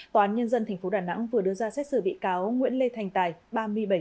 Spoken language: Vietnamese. tòa án nhân dân tp đà nẵng vừa đưa ra xét xử bị cáo nguyễn lê thành tài ba mươi bảy tuổi